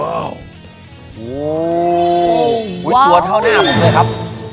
โอ้โหตัวเท่าหน้าผมเลยครับ